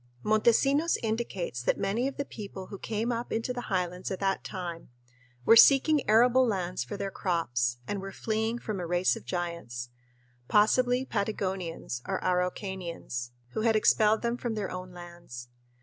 Montesinos indicates that many of the people who came up into the highlands at that time were seeking arable lands for their crops and were "fleeing from a race of giants" possibly Patagonians or Araucanians who had expelled them from their own lands.